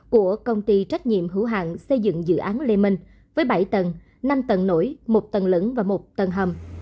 của công ty trách nhiệm hữu hạng xây dựng dự án lê minh với bảy tầng năm tầng nổi một tầng lẫn và một tầng hầm